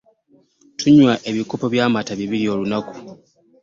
Tunywa ebikopo by'amata bibiri olunaku.